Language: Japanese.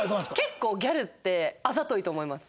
結構ギャルってあざといと思います。